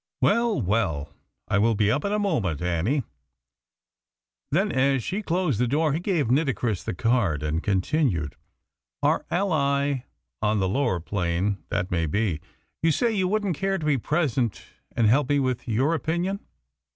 "Very well: I will be up in a moment, Annie." Then, as she closed the door, he gave Nitocris the card, and continued: "Our ally on the lower plane that may be. You say you wouldn't care to be present and help me with your opinion?"